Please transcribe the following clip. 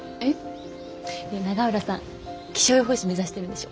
永浦さん気象予報士目指してるんでしょ？